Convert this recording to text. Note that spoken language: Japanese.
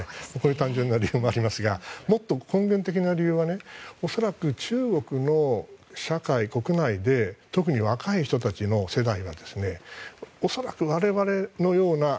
単純な理由もありますがもっと根源的な理由は恐らく中国の社会、国内で特に若い人たちの世代が恐らく、我々のような。